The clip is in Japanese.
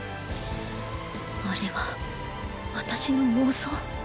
あれは私の妄想？